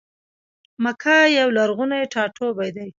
مکه یو لرغونی ټا ټوبی دی.